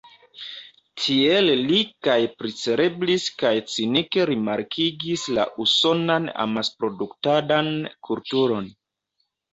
Tiel li kaj pricelebris kaj cinike rimarkigis la usonan amasproduktadan kulturon.